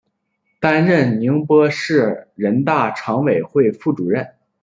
担任宁波市人大常委会副主任。